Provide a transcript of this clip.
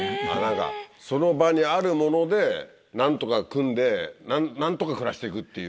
その場にある物で何とか組んで何とか暮らしていくっていう。